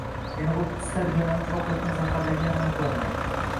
Yana o‘ttiz tarbiyalanuvchi ovqatdan zaharlangani aniqlangan